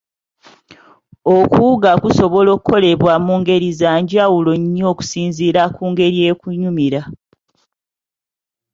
Okuwuga kusobola okukolebwa mu ngeri za njawulo nnyo okusinziira ku ngeri ekunyumira.